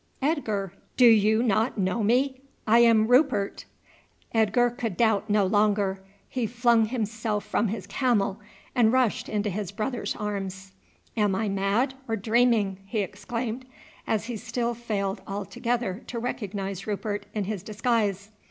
"Edgar, do you not know me? I am Rupert!" Edgar could doubt no longer. He flung himself from his camel and rushed into his brother's arms. "Am I mad or dreaming?" he exclaimed, as he still failed altogether to recognize Rupert in his disguise.